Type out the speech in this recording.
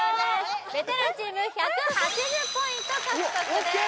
ベテランチーム１８０ポイント獲得です